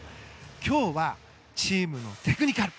今日はチームテクニカル。